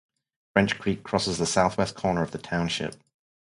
French Creek crosses the southwest corner of the township.